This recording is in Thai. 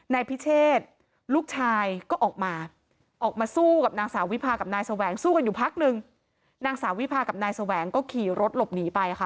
นายพิเชษลูกชายก็ออกมาออกมาสู้กับนางสาววิพากับนายแสวงสู้กันอยู่พักนึงนางสาววิพากับนายแสวงก็ขี่รถหลบหนีไปค่ะ